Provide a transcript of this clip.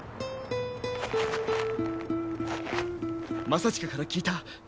正近から聞いた。